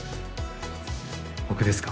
僕ですか？